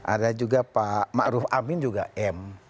ada juga pak maruf amin juga m